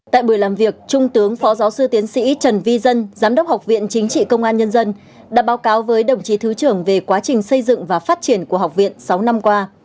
tại buổi làm việc trung tướng phó giáo sư tiến sĩ trần vi dân giám đốc học viện chính trị công an nhân dân đã báo cáo với đồng chí thứ trưởng về quá trình xây dựng và phát triển của học viện sáu năm qua